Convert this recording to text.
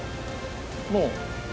もう。